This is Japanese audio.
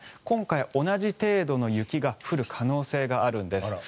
今回、同じ程度の雪が降る可能性があるんです。